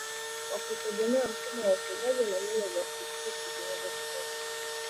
Kwa kutegemea mfumo wa ufugaji na mbinu za kuudhibiti zinazotumika